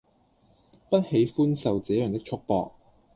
不喜歡受這樣的束縛